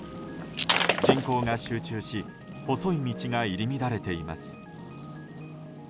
人口が集中し細い道が入り乱れています。